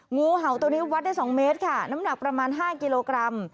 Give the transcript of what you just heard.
งูเห่าตัวนี้วัดได้๒เมตรค่ะน้ำหนักประมาณ๕กิโลกรัม